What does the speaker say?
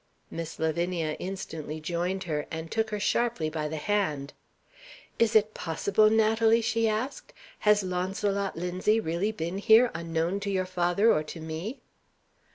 Miss Lavinia instantly joined her, and took her sharply by the hand. "Is it possible, Natalie?" she asked. "Has Launcelot Linzie really been here, unknown to your father or to me?"